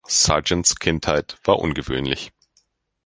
Sargents Kindheit war ungewöhnlich.